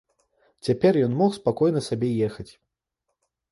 Цяпер ён мог спакойна сабе ехаць.